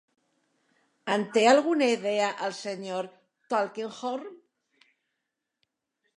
En té alguna idea el Sr. Tulkinghorn?